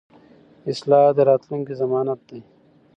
اصلاحات د راتلونکي ضمانت دي